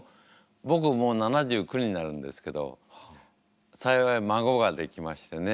僕もう７９になるんですけど幸い孫ができましてね。